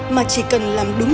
mà chỉ cần làm đúng